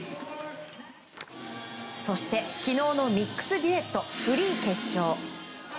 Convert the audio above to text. そして昨日のミックスデュエットフリー決勝。